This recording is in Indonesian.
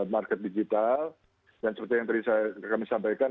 market digital dan seperti yang tadi kami sampaikan